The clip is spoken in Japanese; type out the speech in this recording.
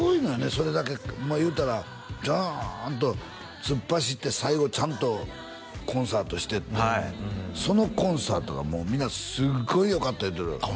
それだけ言うたらドーンと突っ走って最後ちゃんとコンサートしてってそのコンサートがもう皆すっごいよかった言ってたあっ